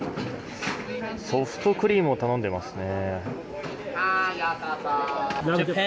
ソフトクリームを頼んでいますね。